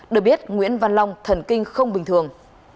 được biết nguyễn văn long thần kinh không bình thường